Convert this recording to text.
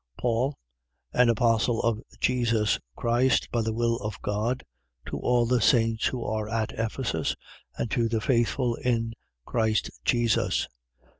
1:1. Paul, an apostle of Jesus Christ, by the will of God, to all the saints who are at Ephesus and to the faithful in Christ Jesus.